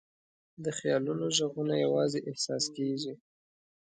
د خیالونو ږغونه یواځې احساس کېږي.